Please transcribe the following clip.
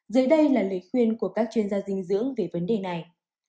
dưới đây là lời khuyên của các chuyên gia dinh dưỡng về vấn đề này